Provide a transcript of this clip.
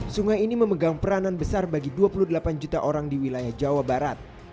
sungai ini memegang peranan besar bagi dua puluh delapan juta orang di wilayah jawa barat